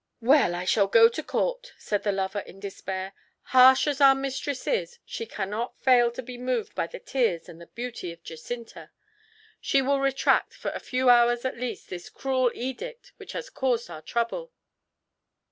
"Well, I shall go to Court," said the lover, in despair. "Harsh as our mistress is, she cannot fail to be moved by the tears and the beauty of Jacinta. She will retract, for a few hours at least, this cruel edict which has caused our trouble."